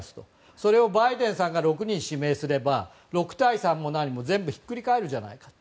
それをバイデンさんが６人指名すれば６対３も何も全部ひっくり返るじゃないかと。